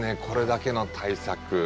これだけの大作。